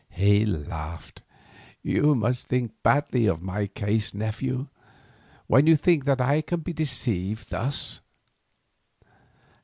He laughed. "You must think badly of my case, nephew, when you think that I can be deceived thus.